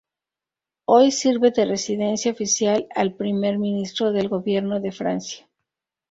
Hoy sirve de residencia oficial al primer ministro del Gobierno de Francia.